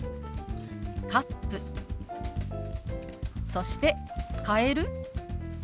そして「変える？」。